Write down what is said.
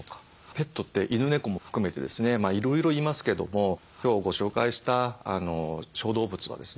ペットって犬猫も含めてですねいろいろいますけども今日ご紹介した小動物はですね